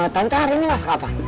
tante hari ini masuk apa